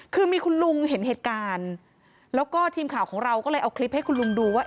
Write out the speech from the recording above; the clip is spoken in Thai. คือมีคุณลุงเห็นเหตุการณ์แล้วก็ทีมข่าวของเราก็เลยเอาคลิปให้คุณลุงดูว่า